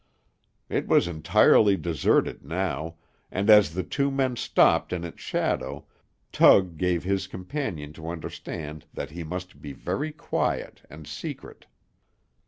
It was entirely deserted now, and as the two men stopped in its shadow, Tug gave his companion to understand that he must be very quiet and secret.